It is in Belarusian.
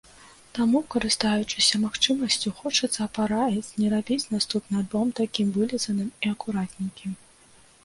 Таму, карыстаючыся магчымасцю, хочацца параіць не рабіць наступны альбом такім вылізаным і акуратненькім.